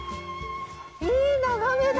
いい眺めだ。